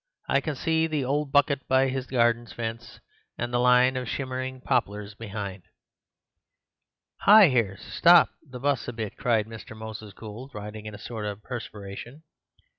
I can see the old bucket by the garden fence and the line of shimmering poplars behind—" "Hi! here, stop the 'bus a bit," cried Mr. Moses Gould, rising in a sort of perspiration.